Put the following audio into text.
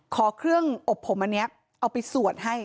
ขอเครื่องอบผมอันนี้เอาไปสวดให้